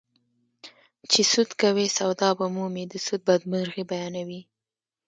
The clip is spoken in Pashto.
چې سود کوې سودا به مومې د سود بدمرغي بیانوي